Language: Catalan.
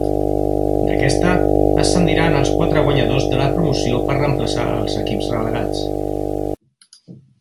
D'aquesta, ascendiran els quatre guanyadors de la promoció per reemplaçar als equips relegats.